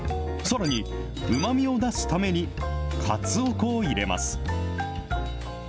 さらに、うまみを出すために、かつお粉を入れます。